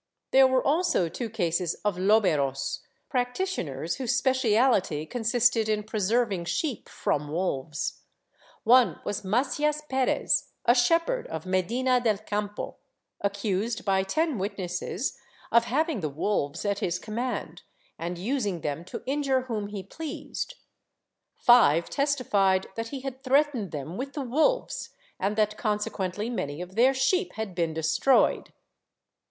There were also two cases of loberos — practitioners whose speciality consisted in preserving sheep from wolves. One was Macias Perez, a shep herd of Medina del Campo, accused by ten witnesses of having the wolves at his command, and using them to injure whom he pleased ; five testified that he had threatened them with the wolves and that consequently many of their sheep had been destroyed.